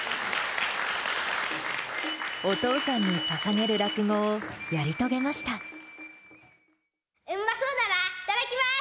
お父さんにささげる落語をやうまそうだな、いただきます。